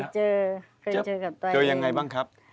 เคยเจอกับตัวเองเจอยังไงบ้างครับ